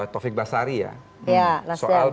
taufik basari ya soal